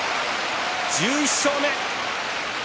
１１勝目。